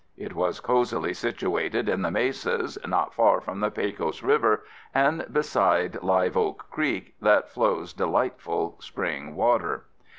It was cozily situated in the mesas not far from the Pecos River and beside Live Oak Creek that flows delightful spring water.